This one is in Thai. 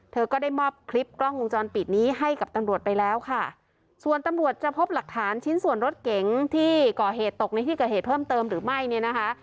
เธอก็ได้มอบคลิปกล้องวงจรปิดนี้ให้กับตำรวจไปแล้วค่ะส่วนตำรวจจะพบหลักฐานชิ้นส่วนรถเก๋งที่ก่อเหตุตกในที่เกิดเหตุเพิ่มเติมหรือไม่เนี่ยนะคะ